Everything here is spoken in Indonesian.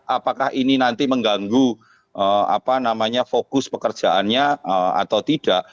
apakah ini nanti mengganggu fokus pekerjaannya atau tidak